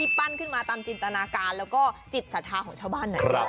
ที่ปั้นขึ้นมาตามจินตนาการแล้วก็จิตสถาของชาวบ้านหน่อยมาก